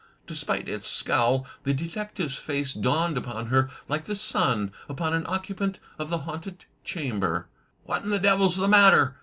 Despite its scowl the detective's face dawned upon her like the sun upon an occupant of the hatmted chamber. " What in the devil's the matter?